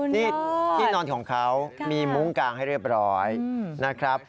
นี่ที่นอนของเขามีมุ้งกางให้เรียบร้อยนะครับ